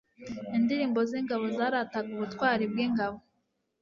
indirimbo z'ingabo zarataga ubutwari bw'ingabo